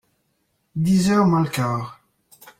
Dix heures moins le quart.